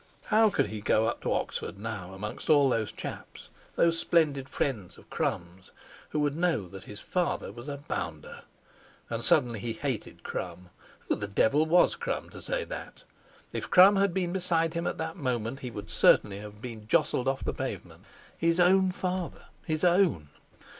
How could he go up to Oxford now amongst all those chaps, those splendid friends of Crum's, who would know that his father was a "bounder". And suddenly he hated Crum. Who the devil was Crum, to say that? If Crum had been beside him at that moment, he would certainly have been jostled off the pavement. His own father—his own!